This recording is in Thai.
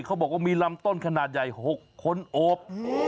เขาบอกว่ามีลำต้นขนาดใหญ่๖คนโอบ